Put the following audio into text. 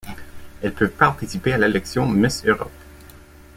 Elles peuvent participer à l'élection Miss Europe.